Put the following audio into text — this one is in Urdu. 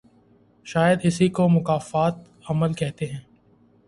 شاید اسی کو مکافات عمل کہتے ہیں۔